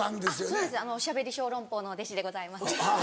そうですおしゃべり小籠包の弟子でございます。